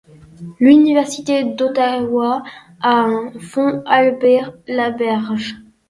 L'Université d'Ottawa a un fonds Albert-Laberge.